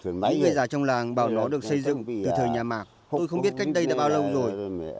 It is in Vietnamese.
những người già trong làng bảo nó được xây dựng từ thời nhà mạc tôi không biết cách đây đã bao lâu rồi